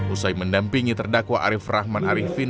usai mendampingi terdakwa arief rahman arifin